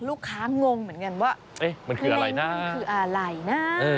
งงเหมือนกันว่าเอ๊ะมันคืออะไรนะมันคืออะไรนะ